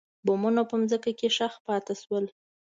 بمونه په ځمکه کې ښخ پاتې شول.